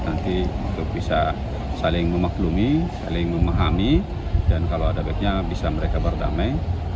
nanti untuk bisa saling memaklumi saling memahami dan kalau ada baiknya bisa mereka berdamai